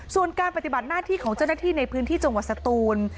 ส่วนการปฏิบัติหน้าที่ของเจ้าหน้าที่ในพื้นที่จังหวัดสตูน